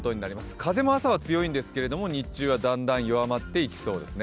風も朝は強いんですけれども日中はだんだん弱まっていきそうですね。